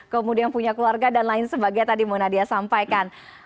kemudian punya keluarga dan lain sebagainya tadi bu nadia sampaikan